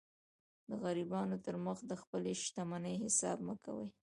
د غریبانو تر مخ د خپلي شتمنۍ حساب مه کوئ!